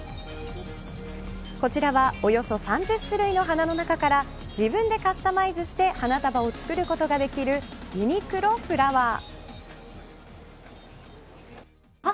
こちらはおよそ３０種類の花の中から自分でカスタマイズして花束を作ることができるＵＮＩＱＬＯＦＬＯＷＥＲ。